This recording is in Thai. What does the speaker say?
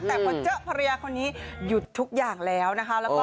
แต่พอเจอภรรยาคนนี้หยุดทุกอย่างแล้วนะคะ